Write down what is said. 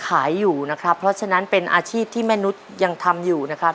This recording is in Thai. ขายอยู่นะครับเพราะฉะนั้นเป็นอาชีพที่แม่นุษย์ยังทำอยู่นะครับ